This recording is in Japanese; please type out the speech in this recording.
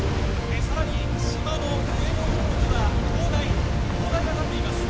さらに島の上の方には灯台灯台が立っています